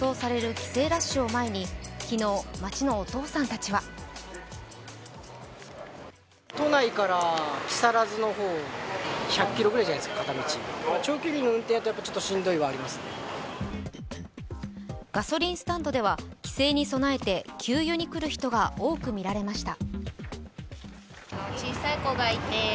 帰省ラッシュを前に昨日、街のお父さんたちはガソリンスタンドでは帰省に備えて給油に来る人が多く見られました。